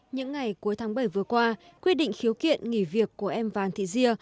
những ngày cuối tháng bảy vừa qua quyết định khiếu kiện nghỉ việc của em vàng thị diê